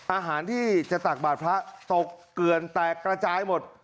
อาหารที่จะตักบาทพระตกเกลือนแตกกระจายหมด